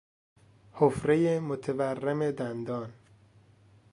حفرهی متورم دندان